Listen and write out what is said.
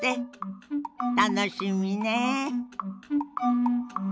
楽しみねえ。